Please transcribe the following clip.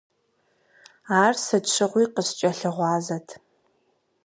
Ар сыт щыгъуи къыскӏэлъыгъуазэт.